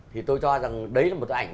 thì tôi cho rằng đấy là một cái ảnh